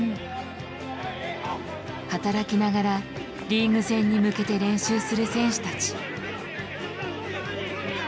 働きながらリーグ戦に向けて練習する選手たち。